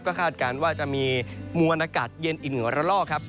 ก็คาดการณ์ว่าจะมีมวลอากาศเย็นอีกหนึ่งระลอกครับ